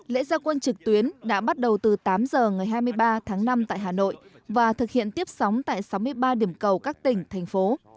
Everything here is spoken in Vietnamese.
lễ gia quân trực tuyến đã bắt đầu từ tám h ngày hai mươi ba tháng năm tại hà nội và thực hiện tiếp sóng tại sáu mươi ba điểm cầu các tỉnh thành phố